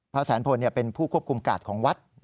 แสนพลเป็นผู้ควบคุมกาดของวัด